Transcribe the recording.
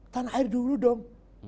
tanah air dulu dong